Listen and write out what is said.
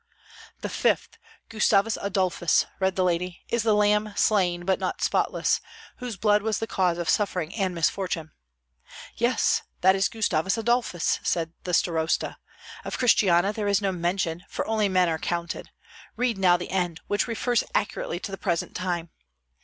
"The fifth, Gustavus Adolphus," read the lady, "is the lamb slain, but not spotless, whose blood was the cause of suffering and misfortune " "Yes; that is Gustavus Adolphus!" said the starosta. "Of Christiana there is no mention, for only men are counted. Read now the end, which refers accurately to the present time."